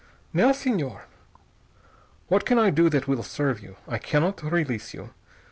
"Now, Señor, what can I do that will serve you? I cannot release you.